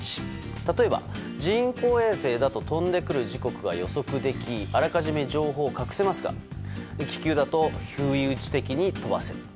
例えば人工衛星だと飛んでくる時刻が予測できあらかじめ情報を隠せますが気球だと不意打ち的に飛ばせる。